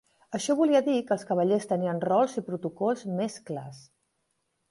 Això volia dir que els cavallers tenien rols i protocols més clars.